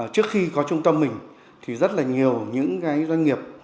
trước khi có trung tâm mình thì rất là nhiều những cái doanh nghiệp